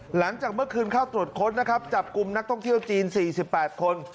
หลังจากเมื่อคืนเข้าตรวจค้นนะครับจับกลุ่มนักท่องเที่ยวจีน๔๘คน